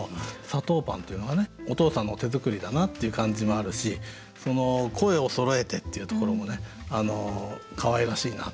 「砂糖パン」というのがねお父さんの手作りだなっていう感じもあるし「こゑを揃へて」っていうところもかわいらしいなってね。